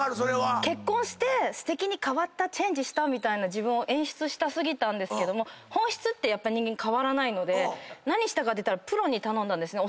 結婚してすてきに変わったチェンジしたみたいな自分を演出し過ぎたんですけども本質って人間変わらないので何したかっていったらプロに頼んだんですね。